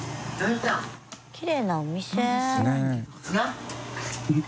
きれいなお店。